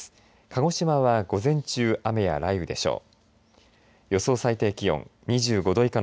鹿児島は午前中雨や雷雨でしょう。